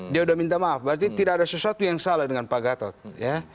dia udah minta maaf berarti tidak ada sesuatu yang salah dengan pak gatot ya